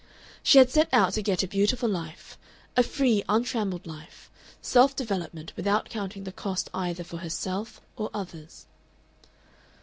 She had set out to get a beautiful life, a free, untrammelled life, self development, without counting the cost either for herself or others.